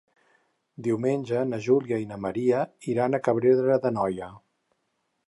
Diumenge na Júlia i na Maria iran a Cabrera d'Anoia.